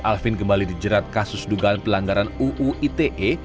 alvin kembali dijerat kasus dugaan pelanggaran uu ite